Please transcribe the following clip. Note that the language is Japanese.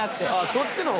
そっちの方？